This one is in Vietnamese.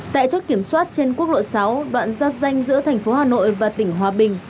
tại chốt kiểm soát trên quốc lộ sáu đoạn giáp danh giữa thành phố hà nội và tỉnh hòa bình